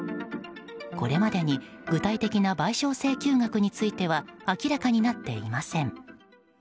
これまでに具体的な賠償請求額については明らかになっていません。